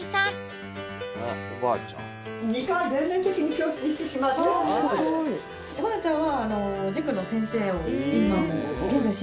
あおばあちゃん。